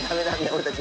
俺たち。